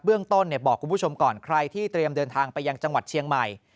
เรื่องต้นบอกคุณผู้ชมก่อนใครที่เตรียมเดินทางไปยังจังหวัดเชียงใหม่